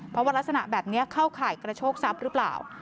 เพราะว่ารักษณะแบบนี้เข้าข่ายกระโชคทรัพย์หรือเปล่า